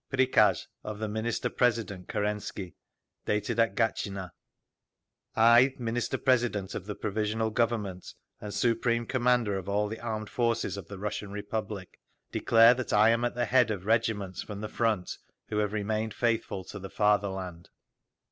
_ Prikaz of the Minister President Kerensky, dated at Gatchina: I, Minister President of the Provisional Government, and Supreme Commander of all the armed forces of the Russian Republic, declare that I am at the head of regiments from the Front who have remained faithful to the fatherland.